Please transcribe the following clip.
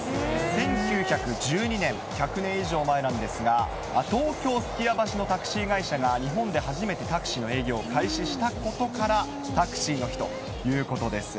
１９１２年、１００年以上前なんですが、東京・数寄屋橋のタクシー会社が日本で初めてタクシーの営業を開始したことから、タクシーの日ということです。